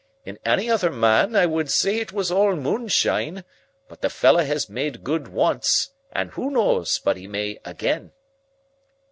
In any other man I would say it was all moonshine, but the fellow has made good once, and who knows but he may again!"